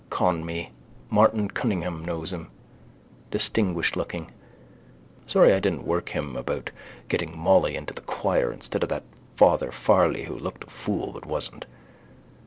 Conmee: Martin Cunningham knows him: distinguishedlooking. Sorry I didn't work him about getting Molly into the choir instead of that Father Farley who looked a fool but wasn't.